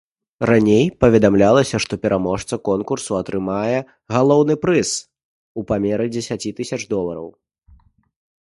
Раней паведамлялася, што пераможца конкурсу атрымае галоўны прыз у памеры дзесяці тысяч долараў.